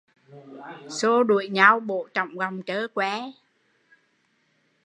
Xô đuổi nhau bổ chổng gọng dơ que